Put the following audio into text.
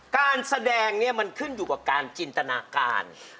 การแสดงเนี่ยมันขึ้นอยู่กับการจินตนาการ